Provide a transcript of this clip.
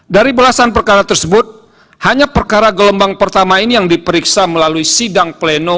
dari belasan perkara tersebut hanya perkara gelombang pertama ini yang diperiksa melalui sidang pleno